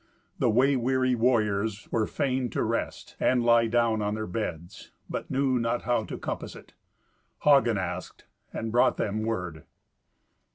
The way weary warriors were fain to rest, and lie down on their beds, but knew not how to compass it. Hagen asked, and brought them word.